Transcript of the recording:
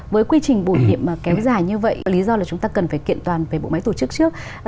với quy trình bổ nhiệm kéo dài như vậy lý do là chúng ta cần phải kiện toàn về bộ máy tổ chức trước